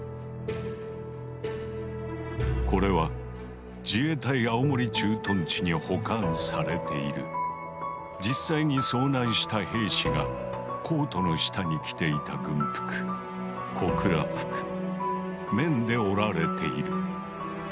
これは自衛隊青森駐屯地に保管されている実際に遭難した兵士がコートの下に着ていた軍服綿で織られている。